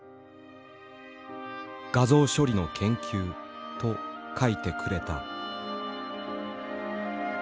「画像処理の研究」と書いてくれた。